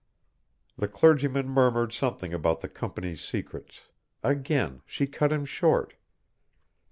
The clergyman murmured something about the Company's secrets. Again she cut him short.